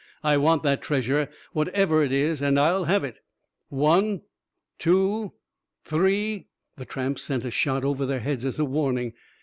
"I want that treasure, whatever it is, and I'll have it. One ... two ... three...." The tramp sent a shot over their heads as a warning.